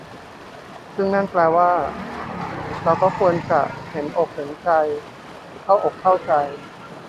ซึ่งนั่นแปลว่า เราก็ควรจะ เห็นอกเห็นใจ เข้าอกเข้าใจ